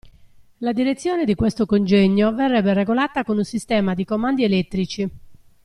La direzione di questo congegno verrebbe regolata con un sistema di comandi elettrici.